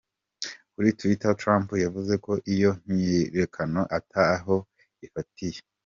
Kuri Twitter, Trump yavuze ko iyo myiyerekano ata ho ifatiye.